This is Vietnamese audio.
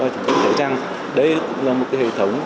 tôi thấy rằng đây là một hệ thống